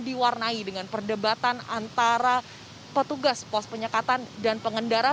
diwarnai dengan perdebatan antara petugas pos penyekatan dan pengendara